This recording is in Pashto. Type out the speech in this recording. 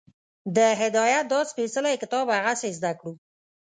د هدایت دا سپېڅلی کتاب هغسې زده کړو